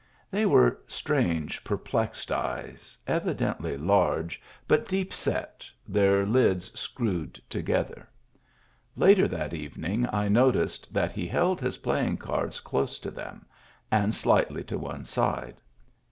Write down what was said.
They were strange, perplexed eyes, evidently large, but deep set, their lids screwed together ; later that evening I noticed that he held his pla3dng cards close to them, and slightly to one side.